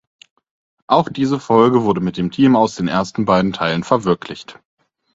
Auch diese Folge wurde mit dem Team aus den ersten beiden Teilen verwirklicht.